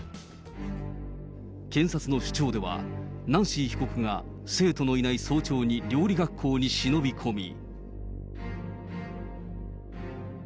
検察の主張では、ナンシー被告が生徒のいない早朝に料理学校に忍び込み。